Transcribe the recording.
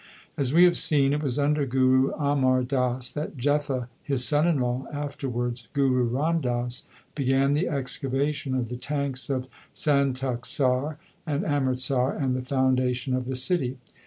1 As we have seen, it was under Guru Amar Das that Jetha, his son in law, afterwards Guru Ram Das, began the excavation of the tanks of Santokhsar and Amritsar and the foundation of the city.